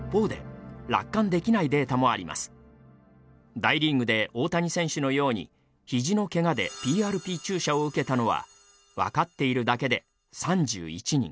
大リーグで大谷選手のようにひじのけがでＰＲＰ注射を受けたのは分かっているだけで３１人。